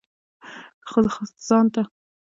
ځان ته واړه اهداف وټاکئ.